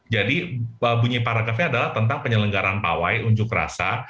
jadi bunyi paragrafnya adalah tentang penyelenggaran pawai unjuk rasa